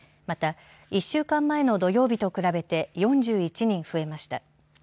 また、１週間前の土曜日と比べて４１人増えました。